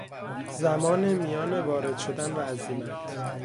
زمان میان وارد شدن و عزیمت